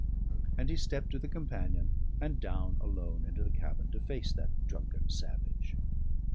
And he stepped to the companion and down alone into the cabin to face that drunken savage.